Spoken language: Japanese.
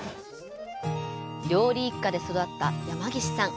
料理一家で育った山岸さん。